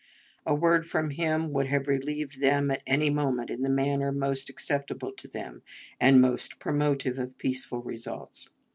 A word from him would have relieved them at any moment in the manner most acceptable to them and most promotive of peaceful results.